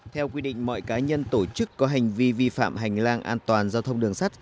theo quy định mọi cá nhân tổ chức có hành vi vi phạm hành lang an toàn giao thông đường sắt